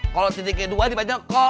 kalo titiknya dua dibacanya ko